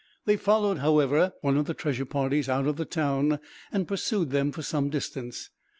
They followed, however, one of the treasure parties out of the town, and pursued them for some distance.